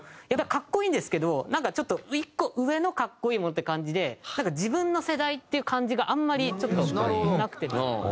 格好いいんですけどなんかちょっと１個上の格好いいものっていう感じでなんか自分の世代っていう感じがあんまりちょっとなくてですね。